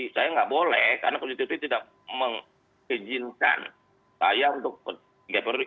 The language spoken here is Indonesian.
saya nggak boleh karena konstitusi tidak mengizinkan saya untuk ketiga perunding